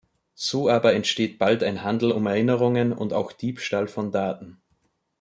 So aber entsteht bald ein Handel um Erinnerungen und auch Diebstahl von Daten.